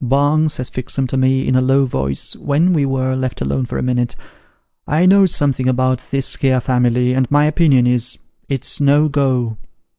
' Bung,' says Fixem to me, in a low voice, when we were left alone for a minute, ' I know something about this here 24 Sketches by Boz. family, and my opinion is, it's no go.'